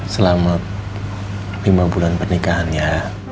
selamat lima bulan pernikahan ya